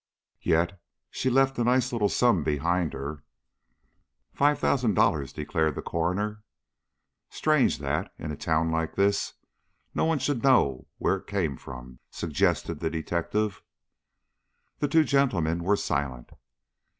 "Yet she left a nice little sum behind her?" "Five thousand dollars," declared the coroner. "Strange that, in a town like this, no one should know where it came from?" suggested the detective. The two gentlemen were silent.